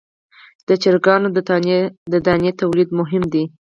د چرګانو د دانې تولید مهم دی